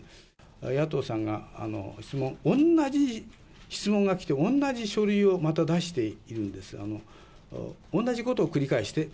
野党さんが質問、同じ質問が来て、同じ書類をまた出していているんです。